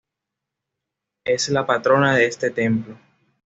Es la patrona de este templo.